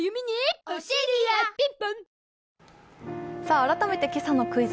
改めて今朝のクイズ。